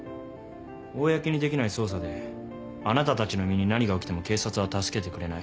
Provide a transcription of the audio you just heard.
公にできない捜査であなたたちの身に何が起きても警察は助けてくれない。